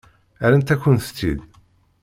Rrant-akent-tt-id.